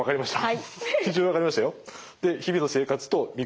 はい。